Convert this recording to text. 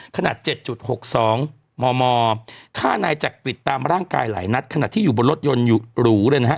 ขนาด๗๖๒มมฆ่านายจักริตตามร่างกายหลายนัดขณะที่อยู่บนรถยนต์อยู่หรูเลยนะฮะ